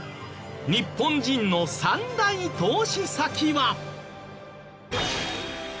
日本人の３大投資先は。